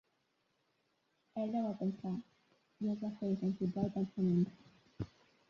Ella va pensar; i es va fer insensible al pensament.